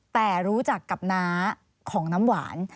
แต่รู้จักกับน้าของน้ำหวาน